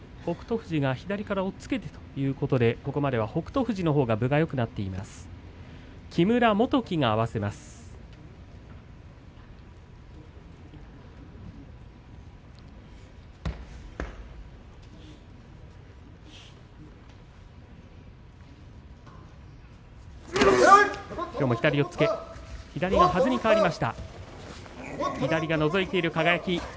富士が左から押っつけてということでここまで北勝富士と分がいいことになっています。